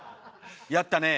やったね。